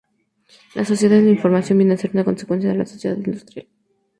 La sociedad de la información viene a ser una consecuencia de la sociedad industrial.